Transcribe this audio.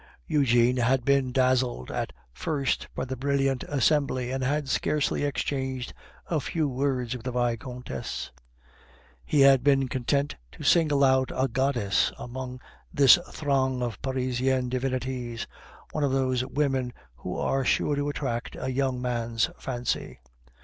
Eugene had been dazzled at first by the brilliant assembly, and had scarcely exchanged a few words with the Vicomtesse; he had been content to single out a goddess among this throng of Parisian divinities, one of those women who are sure to attract a young man's fancy.